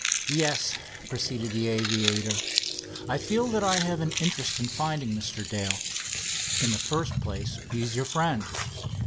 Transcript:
"Yes," proceeded the aviator, "I feel that I have an interest in finding Mr. Dale. In the first place, he is your friend.